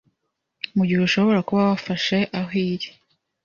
mu gihe ushobora kuba wafashe aho iri